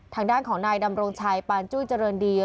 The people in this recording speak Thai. ทางด้านของนายดำรงชัยปานจุ้ยเจริญดี